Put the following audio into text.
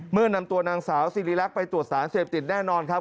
เมื่อนำตัวนางสาวสิริรักษ์ไปตรวจสารเสพติดแน่นอนครับ